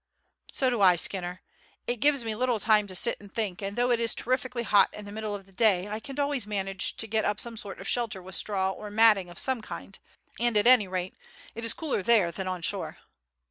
"So do I, Skinner; it gives me little time to sit and think, and though it is terrifically hot in the middle of the day I can always manage to get up some sort of shelter with straw or matting of some kind, and at any rate it is cooler there than on shore."